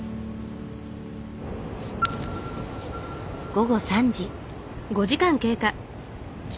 午後３時。